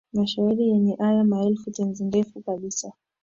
mashairi yenye aya maelfu Tenzi ndefu kabisa